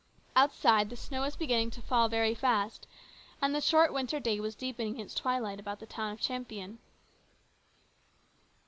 Outside the snow was beginning to fall very fast, and the short winter day was deepening its twilight about the town of Champion.